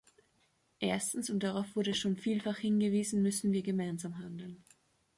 Erstens, und darauf wurde schon vielfach hingewiesen, müssen wir gemeinsam handeln.